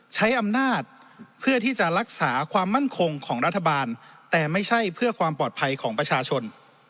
ใช้อำนาจเพื่อที่จะรักษาความมั่นคงของรัฐบาลแต่ไม่ใช่เพื่อความปลอดภัยของประชาชน